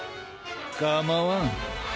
構わん。